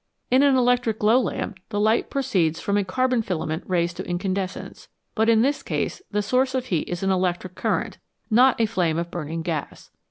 In an electric glow lamp the light proceeds from a carbon filament raised to incandescence, but in this case the source of heat is an electric current, not a flame of burning gas.